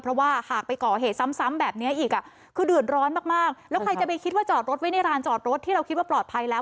เพราะว่าหากไปก่อเหตุซ้ำแบบนี้อีกอ่ะคือเดือดร้อนมากแล้วใครจะไปคิดว่าจอดรถไว้ในร้านจอดรถที่เราคิดว่าปลอดภัยแล้ว